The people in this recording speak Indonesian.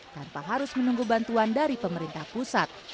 tanpa harus menunggu bantuan dari pemerintah pusat